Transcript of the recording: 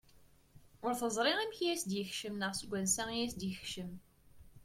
Ur teẓri amek i as-d-yekcem neɣ s wansa i as-d-yekcem.